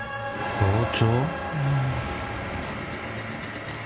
包丁！